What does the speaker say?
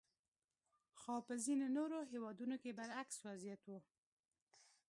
خو په ځینو نورو هېوادونو برعکس وضعیت وو.